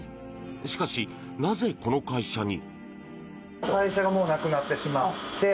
しかし、なぜこの会社に？